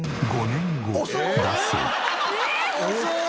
５年後ね。